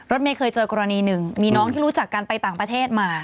เมย์เคยเจอกรณีหนึ่งมีน้องที่รู้จักกันไปต่างประเทศมา